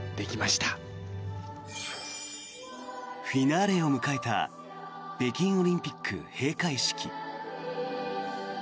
フィナーレを迎えた北京オリンピック閉会式。